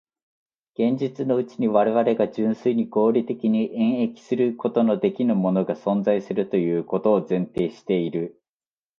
現実のうちに我々が純粋に合理的に演繹することのできぬものが存在するということを前提している。